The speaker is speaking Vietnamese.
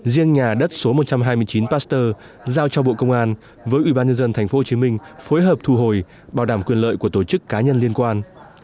riêng nhà đất số một trăm hai mươi chín pasteur giao cho bộ công an với ủy ban nhân dân tp hồ chí minh phối hợp thu hồi bảo đảm quyền lợi của tổ chức cá nhân liên quan